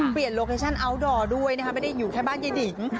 โลเคชั่นอัลดอร์ด้วยนะคะไม่ได้อยู่แค่บ้านยายดิง